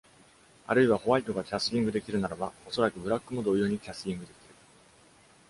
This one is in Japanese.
あるいはホワイトがキャスリングできるならば、おそらくブラックも同様にキャスリングできる。